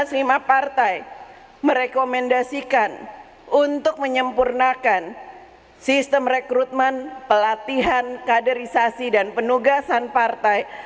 karena lima partai merekomendasikan untuk menyempurnakan sistem rekrutmen pelatihan kaderisasi dan penugasan partai